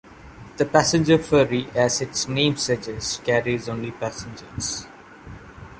The Passenger Ferry, as its name suggests, carries only passengers.